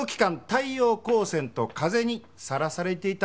太陽光線と風に晒されていたようです。